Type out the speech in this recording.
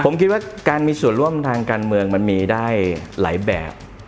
ผมคิดว่าการมีส่วนร่วมทางการเมืองมันมีได้หลายแบบ